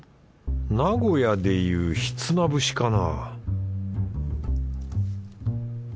名古屋でいうひつまぶしかな？